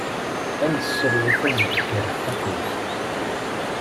Ad nesserwet azeggar ḥafi.